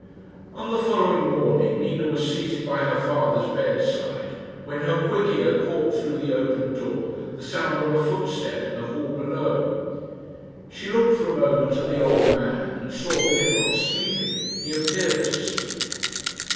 On the following morning Nina was seated by her father's bedside, when her quick ear caught through the open door the sound of a footstep in the hall below. She looked for a moment at the old man, and saw that if not sleeping he appeared to sleep.